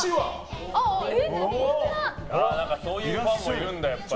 そういうファンもいるんだやっぱり。